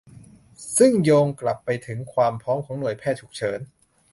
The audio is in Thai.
ซึ่งโยงกลับไปถึงความพร้อมของหน่วยแพทย์ฉุกเฉิน